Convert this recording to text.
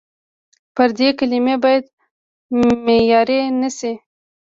پردۍ کلمې باید معیار نه شي.